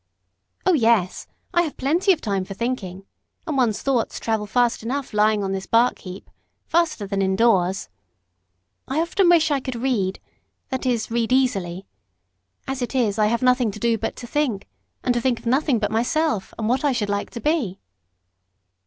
"Oh, yes! I have plenty of time for thinking, and one's thoughts travel fast enough lying on this bark heap faster than indoors. I often wish I could read that is, read easily. As it is, I have nothing to do but to think, and nothing to think of but myself, and what I should like to be."